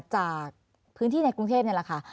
จากพื้นที่ในกรุงเทพนี่แหละค่ะ